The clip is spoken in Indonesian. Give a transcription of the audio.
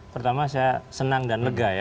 pertama saya senang dan lega ya